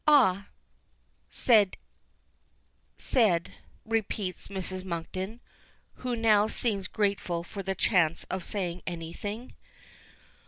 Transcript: "Ah! said, said," repeats Mrs. Monkton, who now seems grateful for the chance of saying anything.